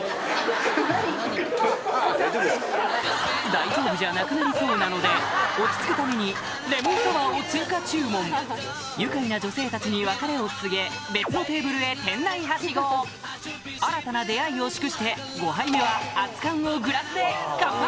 大丈夫じゃなくなりそうなので落ち着くためにレモンサワーを追加注文愉快な女性たちに別れを告げ新たな出会いを祝して５杯目は熱燗をグラスで乾杯！